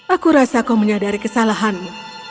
aku rasa kau menyadari kesalahanmu